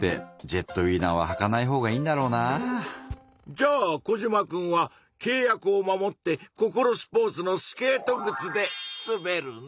じゃあコジマくんはけい約を守ってココロスポーツのスケートぐつですべるの？